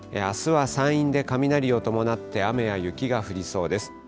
あすは山陰で雷を伴って雨や雪が降りそうです。